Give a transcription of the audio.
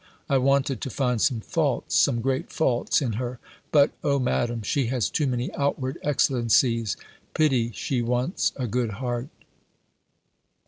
I wanted to find some faults, some great faults in her: but, O Madam, she has too many outward excellencies! pity she wants a good heart.